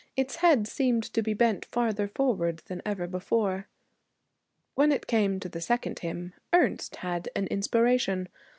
Its head seemed to be bent farther forward than ever before. When it came to the second hymn Ernest had an inspiration.